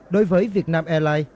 đối với việt nam airline